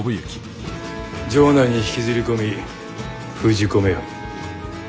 城内に引きずり込み封じ込めよ。